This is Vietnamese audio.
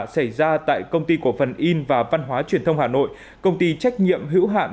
xảy ra tại công ty cổ phần in và văn hóa truyền thông hà nội công ty trách nhiệm hữu hạn